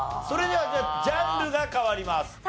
それではジャンルが変わります。